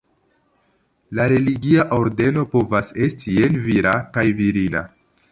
La religia ordeno povas esti jen vira kaj virina.